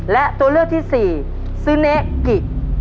และตัวเลือกที่สี่ซึเนกิ